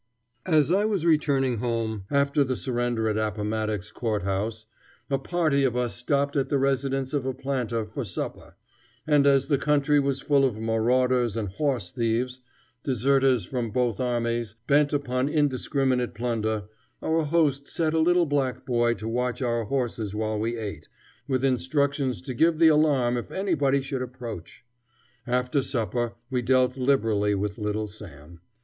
As I was returning to my home after the surrender at Appomattox Court House, a party of us stopped at the residence of a planter for supper, and as the country was full of marauders and horse thieves, deserters from both armies, bent upon indiscriminate plunder, our host set a little black boy to watch our horses while we ate, with instructions to give the alarm if anybody should approach. After supper we dealt liberally with little Sam.